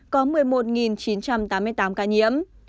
có một mươi một chín trăm tám mươi tám ca nhiễm